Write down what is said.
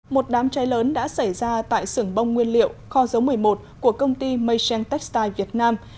một đám cháy lớn đã xảy ra tại sưởng bông nguyên liệu kho dấu một mươi một của công ty meisheng textile việt nam